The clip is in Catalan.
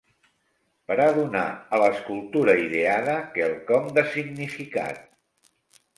Per a donar a l'escultura ideada quelcom de significat